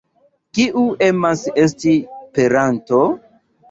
Kiu emas esti peranto?